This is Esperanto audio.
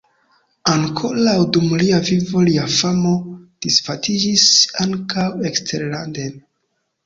Ankoraŭ dum lia vivo lia famo disvastiĝis ankaŭ eksterlanden.